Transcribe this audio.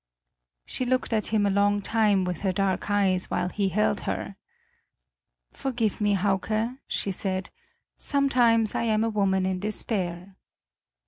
She looked at him a long time with her dark eyes while he held her. "Forgive me, Hauke," she said; "sometimes I am a woman in despair."